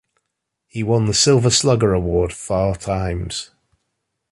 He won the Silver Slugger Award four times.